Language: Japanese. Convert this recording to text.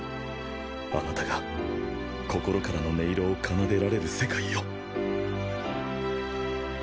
あなたが心からの音色を奏でられる世界を！